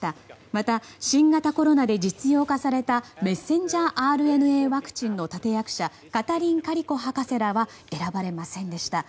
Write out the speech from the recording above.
また新型コロナで実用化されたメッセンジャーＲＮＡワクチンの立役者カタリン・カリコ博士らは選ばれませんでした。